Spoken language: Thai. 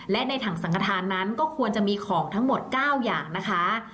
และในถังสังกระทานนั้นก็ควรจะมีของทั้งหมด๙อย่างนะคะ